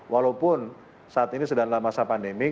walaupun saat ini sedang dalam masa pandemi